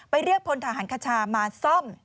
เรียกพลทหารคชามาซ่อม